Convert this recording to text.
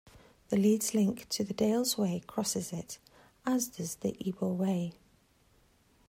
The Leeds link to the Dales Way crosses it, as does the Ebor Way.